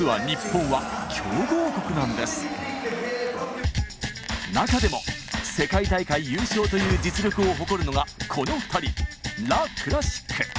実は中でも世界大会優勝という実力を誇るのがこの２人ＬＡＣＬＡＳＳＩＣ。